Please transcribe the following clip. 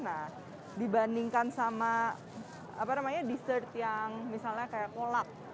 nah dibandingkan sama apa namanya dessert yang misalnya kayak kolak